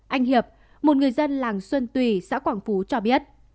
anh hiệp một người dân làng xuân tùy xã quảng phú cho biết